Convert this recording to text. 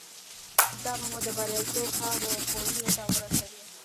دا به مو د برياليتوب هغو پوړيو ته ورسوي.